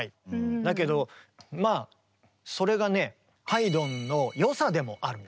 だけどまあそれがねハイドンのよさでもあるんです。